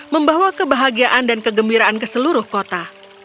membawa kebahagiaan dan kegembiraan ke seluruh kota